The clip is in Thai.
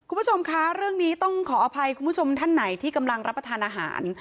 คุณผู้ชมคะเรื่องนี้ต้องขออภัยคุณผู้ชมท่านไหนที่กำลังรับประทานอาหาร